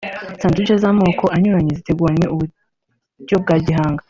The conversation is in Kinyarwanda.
sanduich z’amoko anyuranye ziteguranye uburyo bwa gihanga